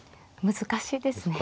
難しいですね。